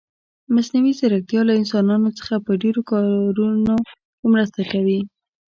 مصنوعي ځيرکتيا له انسانانو سره په ډېرو کارونه کې مرسته کوي.